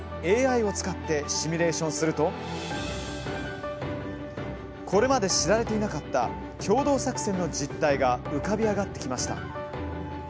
ＡＩを使ってシミュレーションするとこれまで知られていなかった共同作戦の実態が浮かび上がってきました。